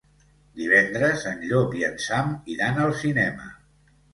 Divendres en Llop i en Sam iran al cinema.